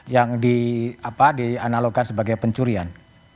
yang dianalogkan sebagai pencurian